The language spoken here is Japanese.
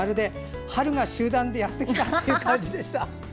春がやってきたという感じでした。